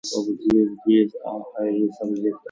There it took part in the decisive Battle of Tali-Ihantala.